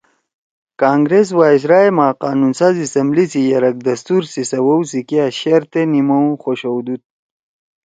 کانگرس وائسرائے ما قانون ساز اسمبلی سی یرَک دستور سی سوَؤ سی کیا شیرتے نیِمؤ خوشؤدُود